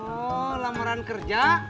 oh lamaran kerja